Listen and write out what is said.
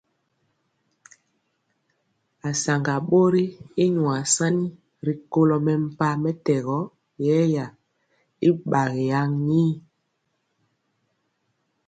Asaŋga bori y nyuasani ri kolo mempah mɛtɛgɔ yɛya y gbagi lan yenir.